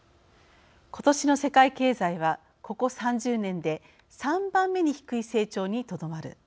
今年の世界経済はここ３０年で３番目に低い成長にとどまる。